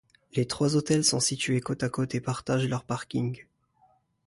Les trois hôtels sont situés côte-à-côte et partagent leurs parkings.